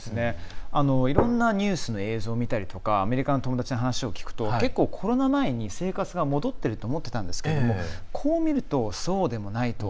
いろんなニュースの映像を見たりとかアメリカの友達に話を聞くと結構、コロナ前に生活が戻ってると思ってたんですけど、こう見るとそうでもないと。